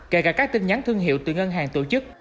kể cả các tin nhắn thương hiệu từ ngân hàng tổ chức